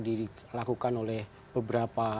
dilakukan oleh beberapa